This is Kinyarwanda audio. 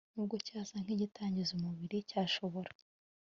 nubwo cyasa nkikitangiza umubiri cyashobora